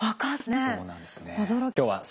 そうなんですね。